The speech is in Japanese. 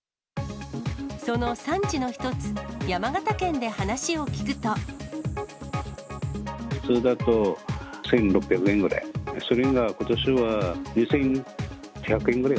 その産地の一つ、山形県で話普通だと、１６００円ぐらい。